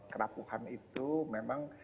kerapuhan itu memang